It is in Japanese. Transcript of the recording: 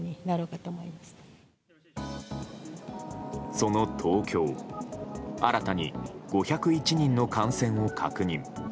その東京新たに５０１人の感染を確認。